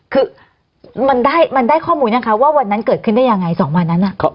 คือมันได้ข้อมูลยังคะว่าวันนั้นเกิดขึ้นได้ยังไง๒วันนั้น